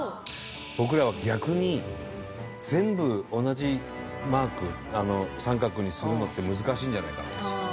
僕らは逆に全部同じマーク三角にするのって難しいんじゃないかなってすごく。